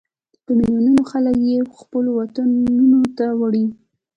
په ملیونونو خلک یې خپلو وطنونو ته وړي.